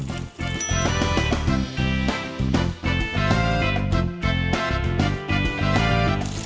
อ๊วย